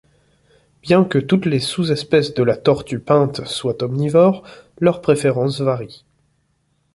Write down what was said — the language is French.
Bien que toutes les sous-espèces de la Tortue peinte soient omnivores, leurs préférences varient.